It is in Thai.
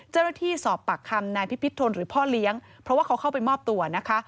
เจ้าหน้าที่สอบปากคำนายพิพิธนหรือพ่อเลี้ยงเพราะว่าเขาเข้าไปมอบตัวนะคะ